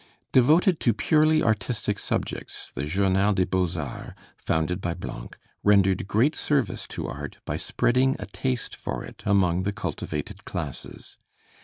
Devoted to purely artistic subjects, the Journal des Beaux Arts, founded by Blanc, rendered great service to art by spreading a taste for it among the cultivated classes.